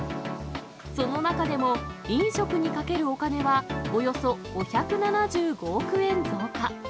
その中でも飲食にかけるお金はおよそ５７５億円増加。